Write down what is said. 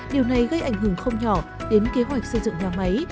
điều này gây ảnh hưởng không nhỏ đến kế hoạch xây dựng nhà máy